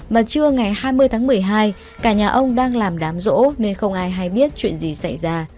mà trưa ngày hai mươi tháng một mươi hai cả nhà ông đang làm đám rỗ nên không ai hay biết chuyện gì xảy ra